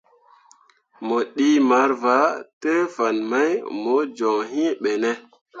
Mo ɗii marvǝǝ te fan mai mo joŋ iŋ ɓene ?